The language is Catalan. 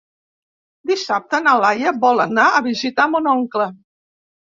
Dissabte na Laia vol anar a visitar mon oncle.